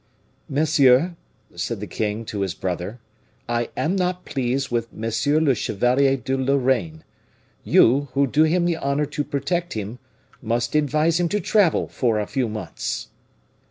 "Monsieur," said the king to his brother, "I am not pleased with M. le Chevalier de Lorraine. You, who do him the honor to protect him, must advise him to travel for a few months."